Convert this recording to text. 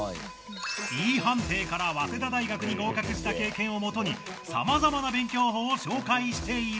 Ｅ判定から早稲田大学に合格した経験をもとにさまざまな勉強法を紹介している。